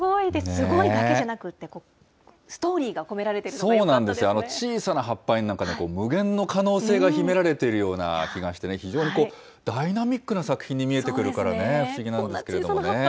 すごいだけじゃなくて、ストーリーが込めらそうなんですよ、あの小さな葉っぱに無限の可能性が秘められているような気がしてね、非常にダイナミックな作品に見えてくるから、不思議なんですよね。